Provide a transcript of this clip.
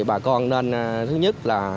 bà con nên thứ nhất là